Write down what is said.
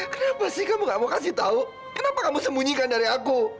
kenapa kamu tidak mau kasih tahu kenapa kamu sembunyikan dia dari aku